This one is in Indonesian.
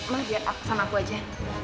mau lihat sama aku aja